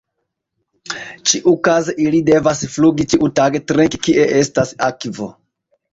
Ĉiukaze ili devas flugi ĉiutage trinki kie estas akvo.